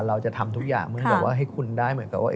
เราจะทำทุกอย่างมึงบอกว่าให้คุณได้เหมือนกับว่า